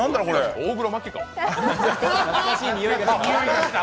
大黒摩季か！